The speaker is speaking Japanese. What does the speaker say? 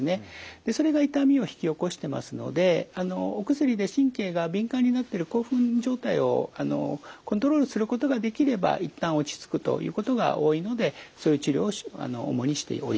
それが痛みを引き起こしてますのでお薬で神経が敏感になっている興奮状態をコントロールすることができれば一旦落ち着くということが多いのでそういう治療を主にしております。